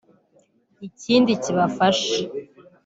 Ikindi kibafasha